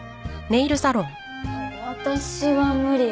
私は無理。